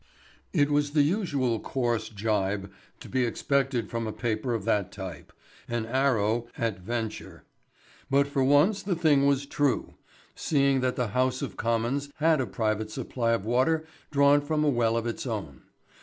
It was the usual coarse gibe to be expected from a paper of that type, an arrow at venture. But for once the thing was true, seeing that the House of Commons has a private supply of water drawn from a well of its own.